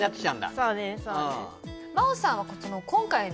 そうです